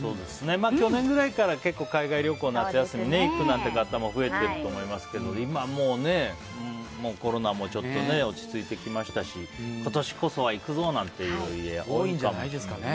去年ぐらいから、結構海外旅行、夏休みに行くなんて方も増えていると思いますが今、もうコロナもちょっと落ち着いてきましたし今年こそは行くぞ、なんて家多いんじゃないですかね。